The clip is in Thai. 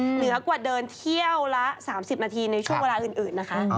เหนือกว่าเดินเที่ยวละ๓๐นาทีในช่วงเวลาอื่นนะคะ